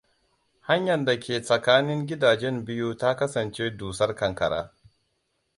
Hanyar da ke tsakanin gidajen biyu ta kasance dusar ƙanƙara.